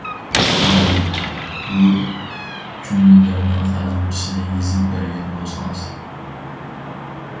-مۇئەللىم، بۇ جۈملىلەرنىڭ خەنزۇچىسىنى يېزىپ بەرگەن بولسىڭىز.